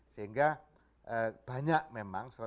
sehingga banyak memang